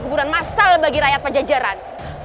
keburan massal bagi rakyat pejajaran